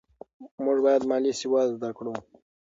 موږ باید مالي سواد زده کړو.